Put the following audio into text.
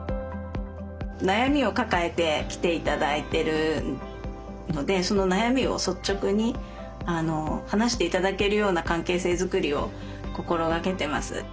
悩みを抱えて来て頂いてるのでその悩みを率直に話して頂けるような関係性作りを心掛けてます。